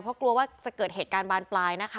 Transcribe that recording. เพราะกลัวว่าจะเกิดเหตุการณ์บานปลายนะคะ